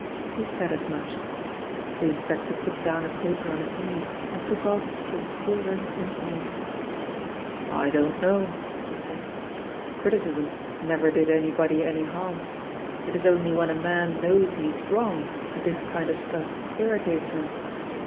He said as much. The inspector put down a paper on his knees, and took off his steel rimmed pince nez. "I don't know," he said. "Criticism never did anybody any harm; it is only when a man knows he is wrong that this kind of stuff irritates him.